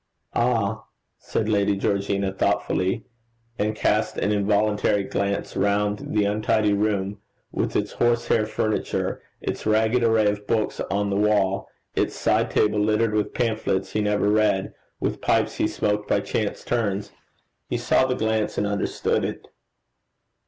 'Ah!' said Lady Georgina, thoughtfully, and cast an involuntary glance round the untidy room, with its horse hair furniture, its ragged array of books on the wall, its side table littered with pamphlets he never read, with papers he never printed, with pipes he smoked by chance turns. He saw the glance and understood it.